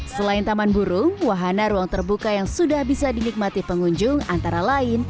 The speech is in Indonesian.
selain taman burung wahana ruang terbuka yang sudah bisa dinikmati pengunjung antara lain